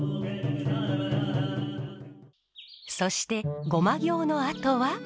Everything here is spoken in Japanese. そして護摩行のあとは。